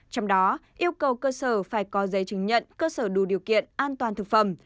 trong đó yêu cầu cơ sở phải có giấy chứng nhận cơ sở đủ điều kiện an toàn thực phẩm